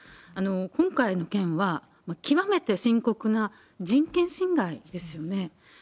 今回の件は、極めて深刻な人権侵害ですよね。